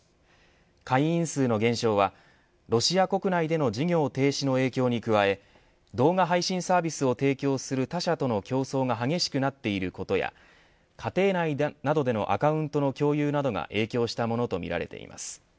会員数の減少はロシア国内での事業停止の影響に加え動画配信サービスを提供する他社との競争が激しくなっていることや家庭内などでのアカウントの共有などが影響したものとみられています。